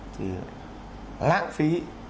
thì lãng phí